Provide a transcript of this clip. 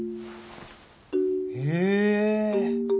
へえ。